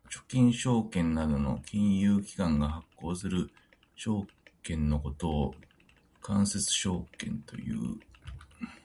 預金証券などの金融機関が発行する証券のことを間接証券という。